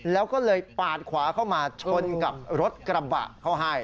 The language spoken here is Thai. แล้วก็เลยปาดขวาเข้ามาชนกับรถกระบะเขาให้